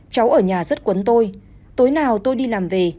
cháu ở nhà rất cuốn tôi tối nào tôi đi làm về